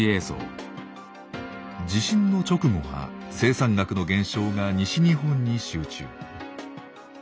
地震の直後は生産額の減少が西日本に集中。